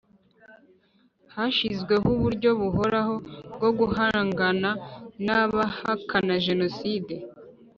hashyizweho uburyo buhoraho bwo guhangana n abahakana Jenoside